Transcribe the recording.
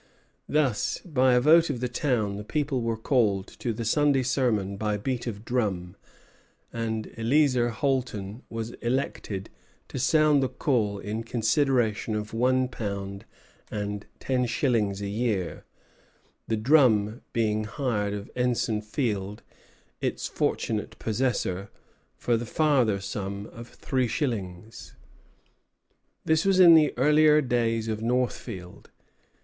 Thus, by a vote of the town, the people were called to the Sunday sermon by beat of drum, and Eleazer Holton was elected to sound the call in consideration of one pound and ten shillings a year, the drum being hired of Ensign Field, its fortunate possessor, for the farther sum of three shillings. This was in the earlier days of Northfield.